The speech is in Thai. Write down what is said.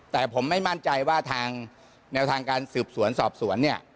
แต่ผมไม่มั่นใจว่าทางแนวทางการสืบสวนสอบสวนเนี่ย